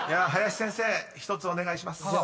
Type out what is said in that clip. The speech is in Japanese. ［林先生１つお願いします］